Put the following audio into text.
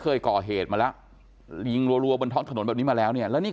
เคยก่อเหตุมาแล้วยิงรัวบนท้องถนนแบบนี้มาแล้วเนี่ยแล้วนี่